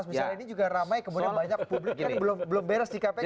misalnya ini juga ramai kemudian banyak publik kan belum beres di kpk